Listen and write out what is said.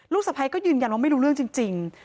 สะพ้ายก็ยืนยันว่าไม่รู้เรื่องจริง